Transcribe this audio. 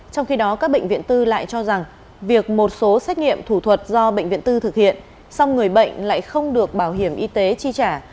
trong khi đó các bệnh viện tư lại cho rằng việc một số xét nghiệm thủ thuật do bệnh viện tư thực hiện xong người bệnh lại không được bảo hiểm y tế chi trả